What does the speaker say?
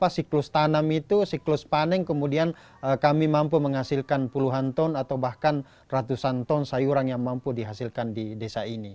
siklus tanam itu siklus panen kemudian kami mampu menghasilkan puluhan ton atau bahkan ratusan ton sayuran yang mampu dihasilkan di desa ini